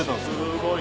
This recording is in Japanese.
すごい。